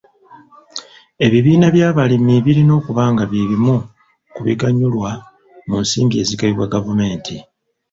Ebibiina by'abalimi birina okuba nga by'ebimu ku biganyulwa mu nsimbi ezigabibwa gavumenti.